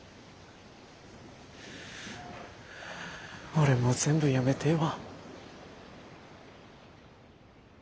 俺もう全部やめてえわ。